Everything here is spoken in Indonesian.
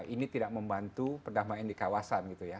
ini tidak membantu perdamaian di kawasan gitu ya